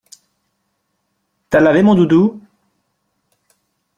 T'as lavé mon doudou?